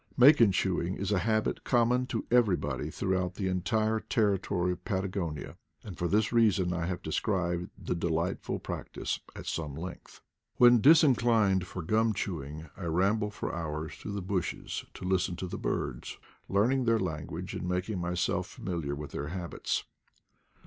Maken chewing is a habit common to everybody throughout the entire territory of Patagonia, and for this reason I have described the delightful practice at some length. When disinclined for gum chewing I ramble for IDLE DATS 127 hours through the bushes to listen to the birds, learning their language and making myself fa miliar with their habits.